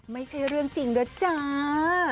ไม่ใช่เรื่องจริงแล้วจ้า